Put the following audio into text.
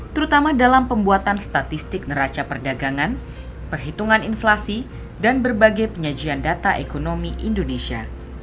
terutama dalam pembuatan statistik neraca perdagangan perhitungan inflasi dan berbagai penyajian data ekonomi indonesia